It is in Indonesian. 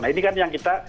nah ini kan yang kita